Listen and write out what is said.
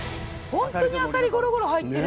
ホントにあさりごろごろ入ってる